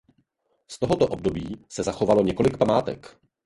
Z tohoto období se zachovalo několik památek.